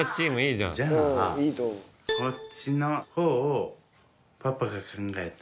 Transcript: じゃあこっちのほうをパパが考えた。